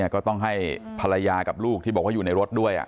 ก็ต้องให้ภรรยากับลูกที่บอกว่าอยู่ในรถด้วย